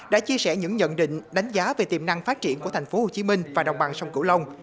đã chia sẻ những nhận định đánh giá về tiềm năng phát triển của tp hcm và đồng bằng sông cửu long